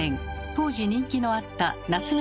当時人気のあった夏目